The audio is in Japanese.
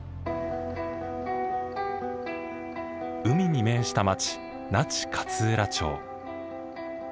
海に面した町那智勝浦町。